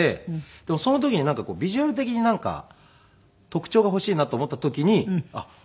でもその時にビジュアル的になんか特徴が欲しいなと思った時にあっ眼鏡をかけようと思って。